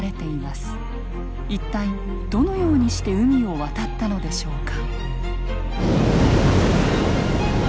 一体どのようにして海を渡ったのでしょうか。